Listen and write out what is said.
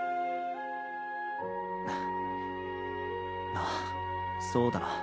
ああそうだな。